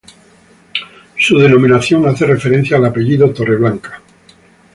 Su denominación hace referencia al apellido Torreblanca